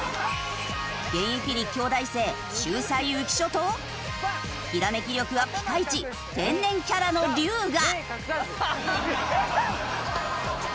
現役立教大生秀才浮所とひらめき力はピカイチ天然キャラの龍我。